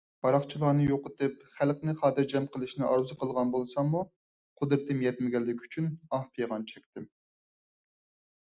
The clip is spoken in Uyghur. قاراقچىلارنى يوقىتىپ، خەلقنى خاتىرجەم قىلىشنى ئارزۇ قىلغان بولساممۇ، قۇدرىتىم يەتمىگەنلىكى ئۈچۈن ئاھ - پىغان چەكتىم.